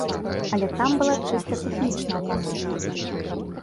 Але там была чыста тэхнічная памылка.